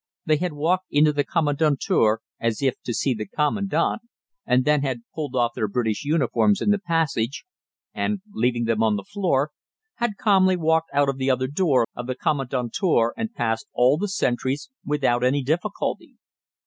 They had walked into the commandantur as if to see the commandant, and then had pulled off their British uniforms in the passage and, leaving them on the floor, had calmly walked out of the other door of the commandantur and passed all the sentries without any difficulty.